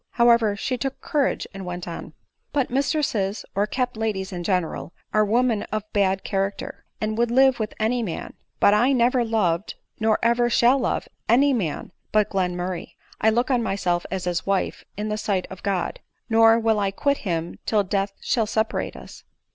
However she took courage and went on. " But mistresses, or kept ladies in general, are women of bad character, and would live with any man ; but I never loved, nor ever shall love, any man but Mr Glen murray. I look on myself as his wife in the sight of God ; nor will I quit him till death shall seperate us."